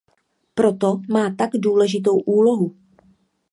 Proto má tak důležitou úlohu.